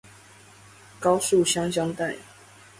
高樹鄉鄉代